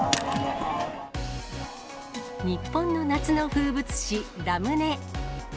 日本の夏の風物詩、ラムネ。